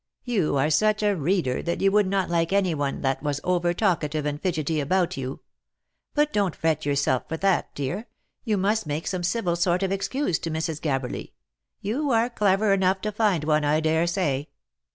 You are such a reader that you would not like any one that was over talkative and fidgety about you. But don't fret yourself for that, dear ; you must make some civil sort of excuse to Mrs. Gabberly. You are clever enough to find one, I dare say."